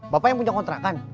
bapak yang punya kontrakan